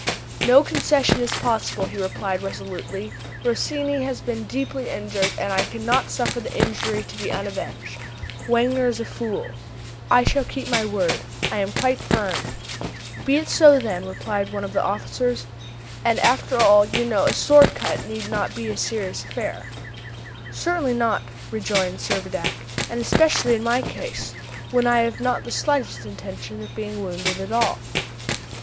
"No concession is possible," he replied, resolutely. "Rossini has been deeply injured, and I cannot suffer the injury to be unavenged. Wagner is a fool. I shall keep my word. I am quite firm." "Be it so, then," replied one of the officers; "and after all, you know, a sword cut need not be a very serious affair." "Certainly not," rejoined Servadac; "and especially in my case, when I have not the slightest intention of being wounded at all."